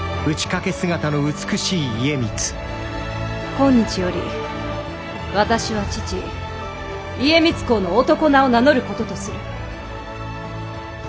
今日より私は父家光公の男名を名乗ることとする。